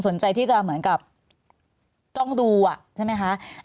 สนใจที่จะเหมือนกับจ้องดูอ่ะใช่ไหมคะ